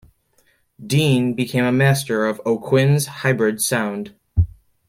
Dean became a master of O'Quinn's hybrid sound.